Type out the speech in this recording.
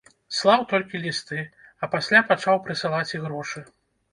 Слаў толькі лісты, а пасля пачаў прысылаць і грошы.